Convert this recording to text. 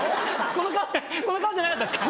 この顔じゃなかったっすか？